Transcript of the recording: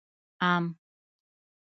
🥭 ام